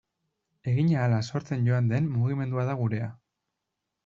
Egin ahala sortzen joan den mugimendua da gurea.